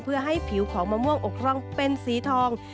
เพื่อให้ผิวของมะม่วงอกร่องเป็นสีทอง